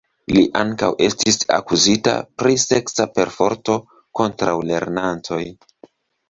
Li ankaŭ estis akuzita pri seksa perforto kontraŭ lernantoj.